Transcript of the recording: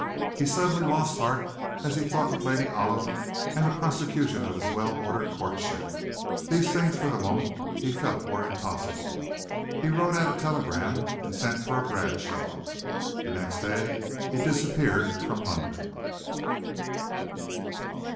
He suddenly lost heart as he thought of Lady Olive and the prosecution of his well ordered courtship. These things for the moment he felt were impossible. He wrote out a telegram and sent for a Bradshaw. The next day he disappeared from London.